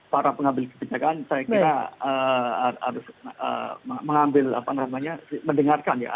para pengambil kebijakan saya kira harus mengambil apa namanya mendengarkan ya